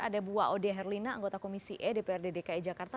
ada bu aode herlina anggota komisi e dprd dki jakarta